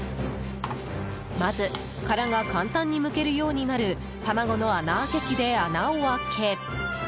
まず殻が簡単にむけるようになる卵の穴あけ器で穴を開け。